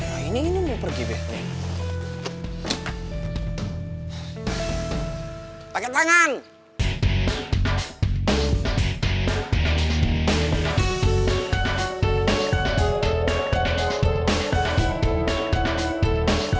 nah ini ini mau pergi be nih